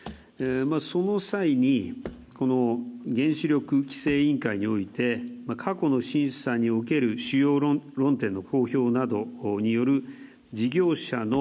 その際にその原子力規制委員会において過去の審査における主要論点の公表などによる事業者の